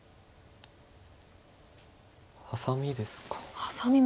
ハサミですか。